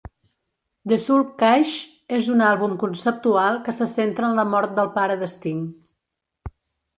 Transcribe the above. "The Soul Cages" és un àlbum conceptual que se centra en la mort del pare d'Sting.